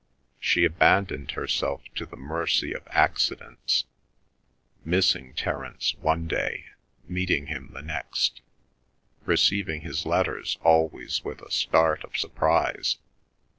She abandoned herself to the mercy of accidents, missing Terence one day, meeting him the next, receiving his letters always with a start of surprise.